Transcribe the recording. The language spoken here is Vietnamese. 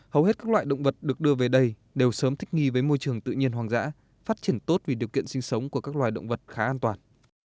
hầu hết các loài động vật được đưa về đây đều sớm thích nghi với môi trường tự nhiên hoang dã phát triển tốt vì điều kiện sinh sống của các loài động vật khá an toàn